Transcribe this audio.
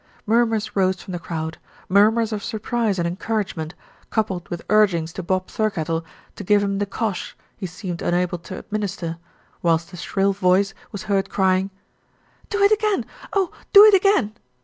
Murmurs rose from the crowd, murmurs of surprise and encouragement, coupled with urgings to Bob Thirkettle to give him the u cosh" he seemed un able to administer, whilst a shrill voice was heard cry ing, "Do it again! Oh! do it again!"